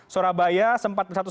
surabaya sempat bersatu